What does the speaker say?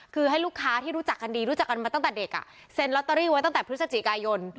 คือให้ลูกค้าที่รู้จักกันดีรู้จักกันมาตั้งแต่เด็กเซ็นลอตเตอรี่ไว้ตั้งแต่พฤศจิกายน